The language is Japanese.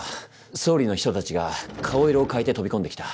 総理の秘書たちが顔色を変えて飛び込んできた。